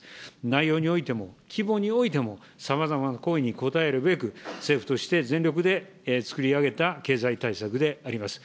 内容においても、規模においても、さまざまな声に応えるべく、政府として全力で作り上げた経済対策であります。